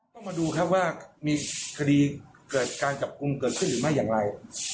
ต้องมาดูครับว่ามีคดีเกิดการจับกลุ่มเกิดขึ้นหรือไม่อย่างไร